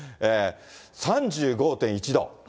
３５．１度。